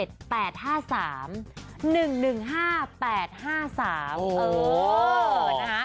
โอ้โห